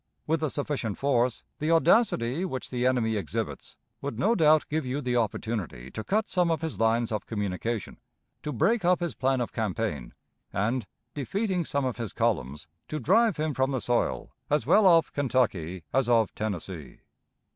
With a sufficient force, the audacity which the enemy exhibits would no doubt give you the opportunity to cut some of his lines of communication, to break up his plan of campaign, and, defeating some of his columns, to drive him from the soil as well of Kentucky as of Tennessee.